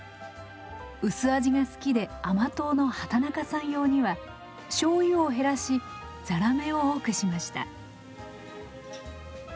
薄味が好きで甘党の畠中さん用には醤油を減らしざらめを多くしました。